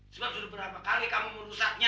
sebab sudah berapa kali kamu merusaknya